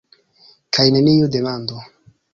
Kaj neniu demandu.